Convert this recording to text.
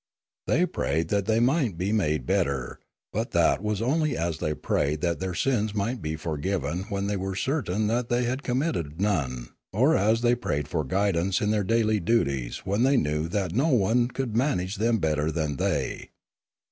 They prayed that they might be made better; but that was only as they prayed that their sins might be forgiven when they were certain that they had committed none, or as they prayed for guidance in their daily duties when they knew that no one could manage them better than they.